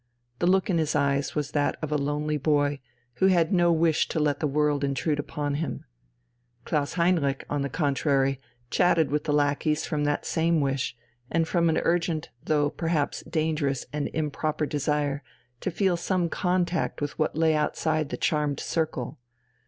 The look in his eyes was that of a lonely boy, who had no wish to let the world intrude upon him. Klaus Heinrich, on the contrary, chatted with the lackeys from that same wish, and from an urgent though perhaps dangerous and improper desire to feel some contact with what lay outside the charmed circle.